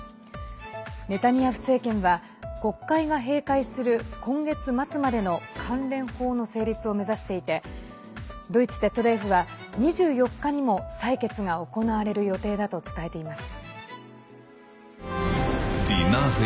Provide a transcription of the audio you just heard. ネタニヤフ政権は国会が閉会する今月末までの関連法の成立を目指していてドイツＺＤＦは２４日にも採決が行われる予定だと伝えています。